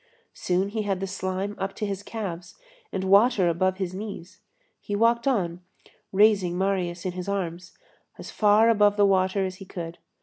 Soon he had the slime up to his calves and water above his knees. He walked on, raising Marius in his arms, as far above the water as he could.